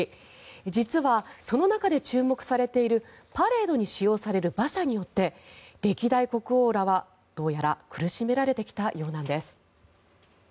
実は、その中で注目されているパレードに使用される馬車によって歴代国王らはどうやら苦しめられてきたようなんです。